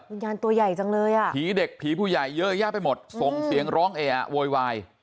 ตัวใหญ่จังเลยอ่ะผีเด็กผีผู้ใหญ่เยอะแยะไปหมดส่งเสียงร้องเออะโวยวาย